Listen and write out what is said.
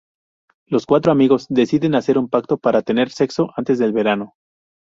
Los cuatro amigos deciden hacer un pacto para tener sexo antes del verano.